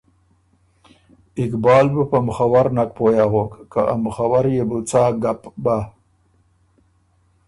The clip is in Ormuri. اقبال بُو په ”مُخّور“ نک پویٛ اغوک که مُخّور يې بُو څا ګپ بَۀ۔